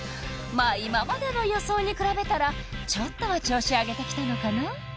まあ今までの予想に比べたらちょっとは調子上げてきたのかな？